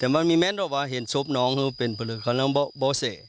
แต่ก็มีแม้โดดว่าเห็นชมง้องเพียงภูมิเป็นสุขแบบนั้นว่ามันน้ำม้าบ๊ะ